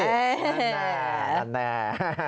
นั่นแน่